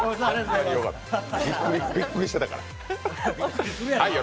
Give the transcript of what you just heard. びっくりしてたから。